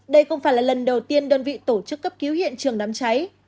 đây không phải là lần đầu tiên đơn vị tổ chức cấp cứu hiện trường đám cháy